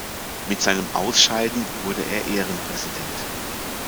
Mit seinem Ausscheiden wurde er Ehrenpräsident.